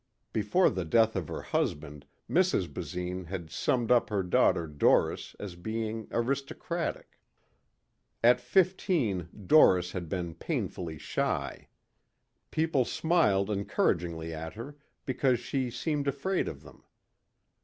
Before the death of her husband Mrs. Basine had summed up her daughter Doris as being aristocratic. At fifteen Doris had been painfully shy. People smiled encouragingly at her because she seemed afraid of them.